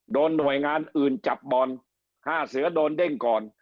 หน่วยงานอื่นจับบอล๕เสือโดนเด้งก่อน